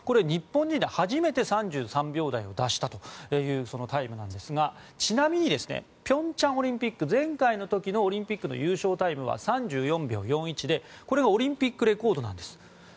日本人で初めて３３秒台を出したというタイムなんですがちなみに、平昌オリンピック前回の時のオリンピックの優勝タイムは３４秒４１でこれがオリンピックレコードなんです。